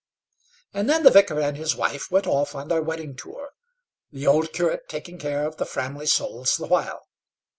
And then the vicar and his wife went off on their wedding tour, the old curate taking care of the Framley souls the while.